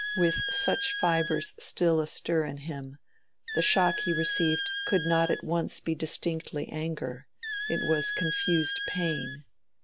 With such fibres still astir in him, the shock he received could not at once be distinctly anger; it was confused pain.